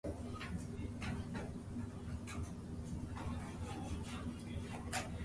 Quasar tells him about his lover and Stakar's mother Kismet.